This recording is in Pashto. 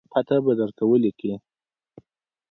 پته به درته ولګي